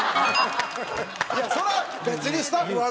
いやそれは別にスタッフ悪ないがな。